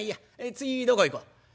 次どこ行こう？」。